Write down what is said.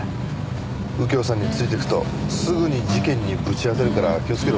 右京さんについていくとすぐに事件にぶち当たるから気をつけろって。